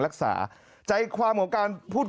รักษาใจความของการพูด